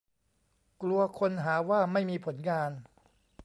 กลัวคนหาว่าไม่มีผลงาน